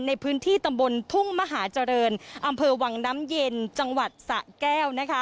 ในพื้นที่ตำบลทุ่งมหาเจริญอำเภอวังน้ำเย็นจังหวัดสะแก้ว